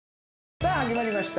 さあ始まりました。